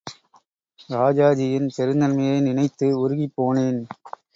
ராஜாஜியின் பெருந்தன்மையை நினைத்து உருகிப் போனேன்.